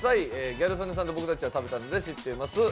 ギャル曽根さんと僕たちは食べたので知っています。